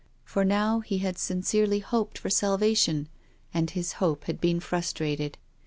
For now he had sincerely hoped for sal vation, and his hope had been frustrated.